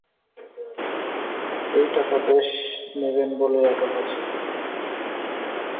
এই টাকা দেশ নেবেন বলেই আটক আছে।